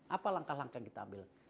apa langkah langkah yang kita ambil